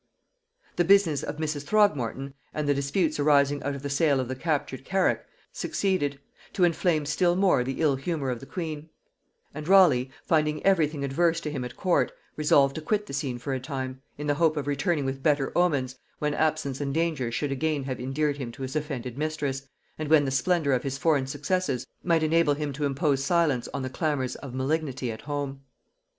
] The business of Mrs. Throgmorton, and the disputes arising out of the sale of the captured carrack, succeeded, to inflame still more the ill humour of the queen; and Raleigh, finding every thing adverse to him at court, resolved to quit the scene for a time, in the hope of returning with better omens, when absence and dangers should again have endeared him to his offended mistress, and when the splendor of his foreign successes might enable him to impose silence on the clamors of malignity at home.